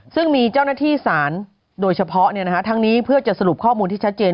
ซึ่งมีเจ้าหน้าที่สารโดยเฉพาะทั้งนี้เพื่อจะสรุปข้อมูลที่ชัดเจน